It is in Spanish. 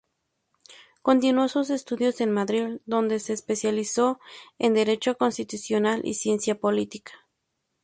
Continuó sus estudios en Madrid, donde se especializó en Derecho Constitucional y Ciencia Política.